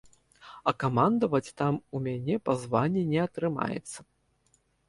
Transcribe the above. А камандаваць там у мяне па званні не атрымаецца.